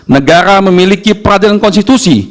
negara memiliki peradilan konstitusi